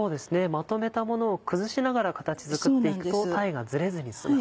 まとめたものを崩しながら形作っていくと鯛がずれずに済むと。